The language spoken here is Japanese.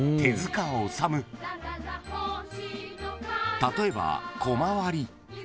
［例えばコマ割り］